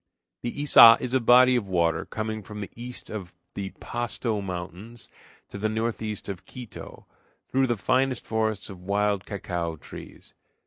The Iça is a body of water coming from the east of the Pasto Mountains to the northeast of Quito, through the finest forests of wild cacao trees.